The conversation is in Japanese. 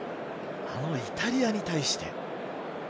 イタリアに対して。